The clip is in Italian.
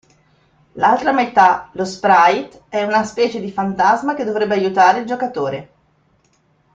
L'altra metà, lo Sprite, è una specie di fantasma che dovrebbe aiutare il giocatore.